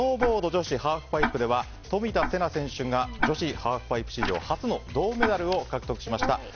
昨日スノーボード女子ハーフパイプでは冨田せな選手が女子ハーフパイプ史上初の銅メダルを獲得しました。